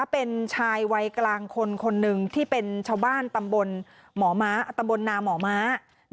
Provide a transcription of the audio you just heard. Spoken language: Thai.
เป็นชายวัยกลางคนคนหนึ่งที่เป็นชาวบ้านตำบลหมอม้าตำบลนาหมอม้า